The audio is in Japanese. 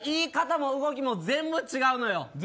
言い方も動きも全部違うのよ。